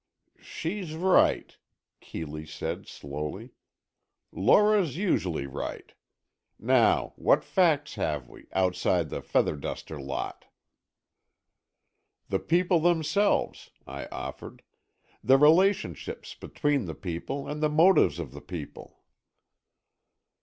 "She's right," Keeley said, slowly. "Lora's usually right. Now what facts have we, outside the feather duster lot?" "The people themselves," I offered. "The relationships between the people and the motives of the people."